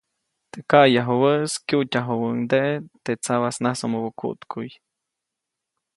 Teʼ kayajubäʼis kyujtyajubäʼuŋdeʼe teʼ tsabasnasomobä kuʼtkuʼy.